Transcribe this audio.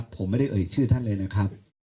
ผมไม่ได้เอ่ยชื่อท่านเลยนะครับ